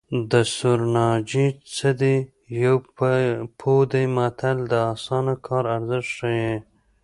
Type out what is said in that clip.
د سورناچي څه دي یو پو دی متل د اسانه کار ارزښت ښيي